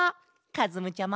かずむちゃま？